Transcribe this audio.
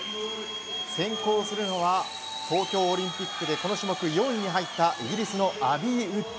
先行するのは東京オリンピックでこの種目４位に入ったイギリスのアビー・ウッド。